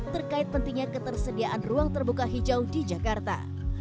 terkait pentingnya ketersediaan ruang terbuka hijau di jakarta